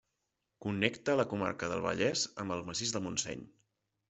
Connecta la comarca del Vallès amb el massís del Montseny.